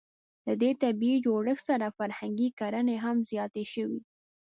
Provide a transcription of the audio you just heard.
له دې طبیعي جوړښت سره فرهنګي کړنې هم زیاتې شوې.